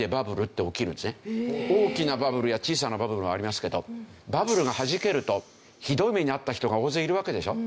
大きなバブルや小さなバブルがありますけどバブルがはじけるとひどい目に遭った人が大勢いるわけでしょ。